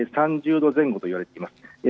３０度前後といわれています。